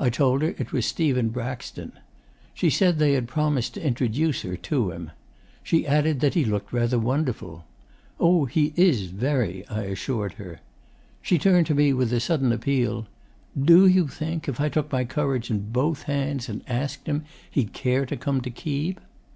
I told her it was Stephen Braxton. She said they had promised to introduce her to him. She added that he looked rather wonderful. "Oh, he is, very," I assured her. She turned to me with a sudden appeal: "DO you think, if I took my courage in both hands and asked him, he'd care to come to Keeb?"